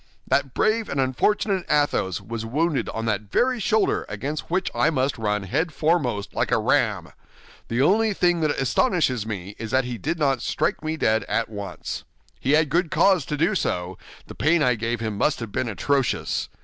That brave and unfortunate Athos was wounded on that very shoulder against which I must run head foremost, like a ram. The only thing that astonishes me is that he did not strike me dead at once. He had good cause to do so; the pain I gave him must have been atrocious.